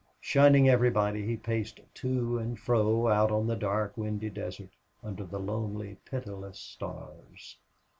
Shunning everybody, he paced to and fro out on the dark, windy desert, under the lonely, pitiless stars.